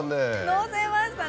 のせましたね。